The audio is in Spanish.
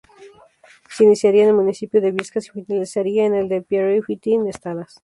Se iniciaría en el municipio de Biescas y finalizaría en el de Pierrefitte-Nestalas.